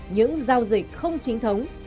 những giao dịch không chính thống